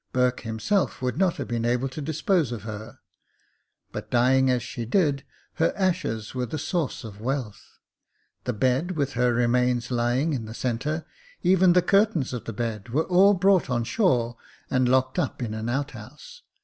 Burke himself would not have been able to dispose of her ; but dying as she did, her ashes were the source of wealth. The bed, with her remains lying in the centre, even the curtains of the bed, were all brought on shore, and locked up in an outhouse.